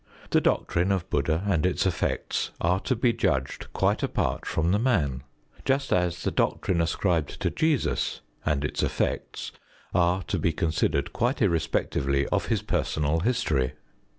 The doctrine of Bud╠Żd╠Żha and its effects are to be judged quite apart from the man, just as the doctrine ascribed to Jesus and its effects are to be considered quite irrespectively of his personal history.